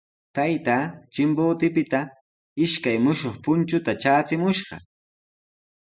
Taytaa Chimbotepita ishkay mushuq punchuta traachimushqa.